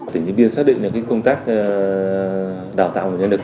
tỉnh điện biên xác định công tác đào tạo nguồn nhân lực